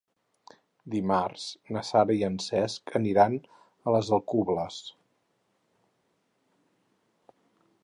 Dimarts na Sara i en Cesc aniran a les Alcubles.